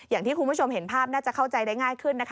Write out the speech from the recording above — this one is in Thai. อย่างที่คุณผู้ชมเห็นภาพน่าจะเข้าใจได้ง่ายขึ้นนะคะ